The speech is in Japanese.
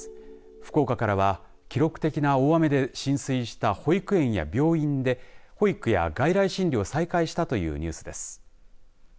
福岡からは記録的な大雨で浸水した保育園や病院で保育や外来診療を再開したというニュースです。